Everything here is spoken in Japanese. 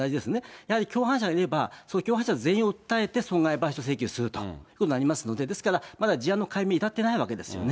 やはり共犯者がいれば、そういう共犯者全員を訴えて損害賠償請求するということになりますので、ですからまだ事案の解明に至ってないわけですよね。